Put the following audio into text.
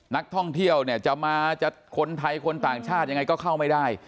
นักท่องเที่ยวเนี่ยจะมาจะคนไทยคนต่างชาติยังไงก็เข้าไม่ได้